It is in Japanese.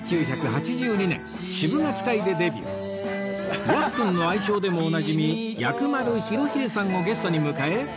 今回は「ヤッくん」の愛称でもおなじみ薬丸裕英さんをゲストに迎え